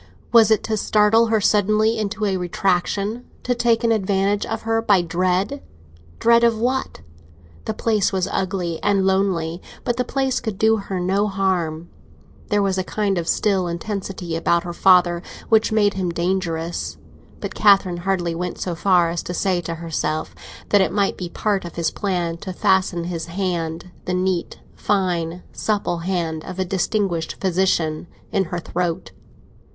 Was it to startle her suddenly into a retractation—to take an advantage of her by dread? Dread of what? The place was ugly and lonely, but the place could do her no harm. There was a kind of still intensity about her father, which made him dangerous, but Catherine hardly went so far as to say to herself that it might be part of his plan to fasten his hand—the neat, fine, supple hand of a distinguished physician—in her throat.